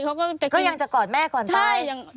ก็ยังจะกอดแม่ก่อนไป